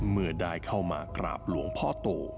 เมื่อได้เข้ามากราบหลวงพ่อโต